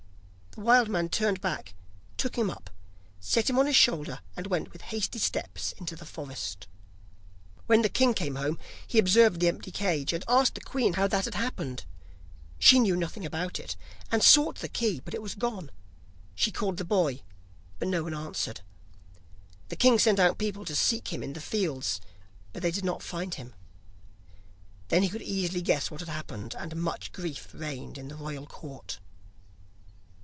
The wild man turned back, took him up, set him on his shoulder, and went with hasty steps into the forest. When the king came home, he observed the empty cage, and asked the queen how that had happened. She knew nothing about it, and sought the key, but it was gone. She called the boy, but no one answered. The king sent out people to seek for him in the fields, but they did not find him. Then he could easily guess what had happened, and much grief reigned in the royal court.